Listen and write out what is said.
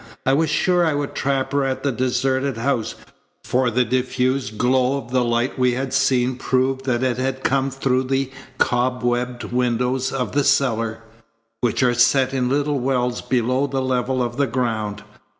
I was sure I would trap her at the deserted house, for the diffused glow of the light we had seen proved that it had come through the cobwebbed windows of the cellar, which are set in little wells below the level of the ground.